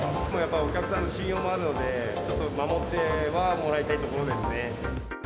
お客さんの信用もあるので、ちょっと守ってはもらいたいところですね。